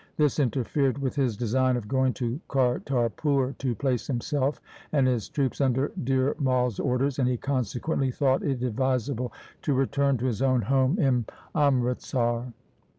This interfered with his design of going to Kartarpur to place himself and his troops under Dhir Mai's orders, and he consequently thought it advisable to return to his own home in Amritsar.